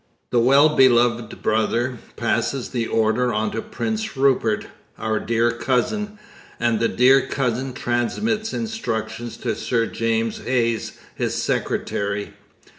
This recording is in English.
The 'Well Beloved Brother' passes the order on to Prince Rupert, 'our Dear Cousin'; and the 'Dear Cousin' transmits instructions to Sir James Hayes, his secretary.